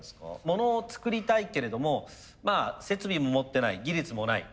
モノを作りたいけれどもまあ設備も持ってない技術もない。